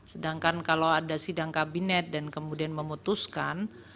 sedangkan kalau ada sidang kabinet dan kemudian memutuskan